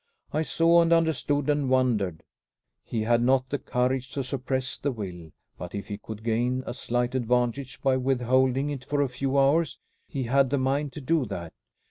I saw and understood and wondered. He had not the courage to suppress the will; but if he could gain a slight advantage by withholding it for a few hours, he had the mind to do that.